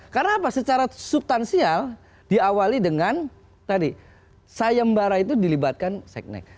karena apa secara subtansial diawali dengan tadi sayem bara itu dilibatkan seknek